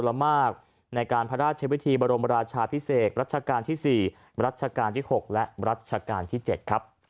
รัชกาลที่๑รัชกาลที่หกและรัชกาลที่เจ็ด